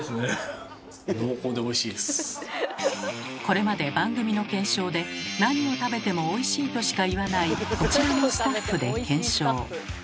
これまで番組の検証でなにを食べても「おいしい」としか言わないこちらのスタッフで検証。